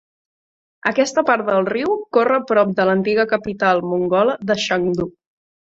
Aquesta part del riu corre prop de l'antiga capital mongola de Shangdu.